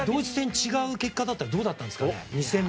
違う結果だったらどうだったんですかね。